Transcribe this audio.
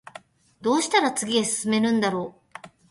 どうしたら次へ進めるんだろう